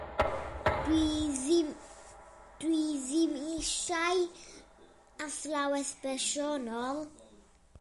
Dw i ddim eisiau athrawes bersonol.